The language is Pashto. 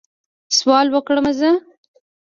سوال وکړم زه؟